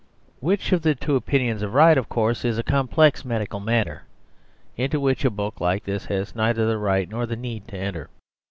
Which of the two opinions was right is of course a complex medical matter into which a book like this has neither the right nor the need to enter.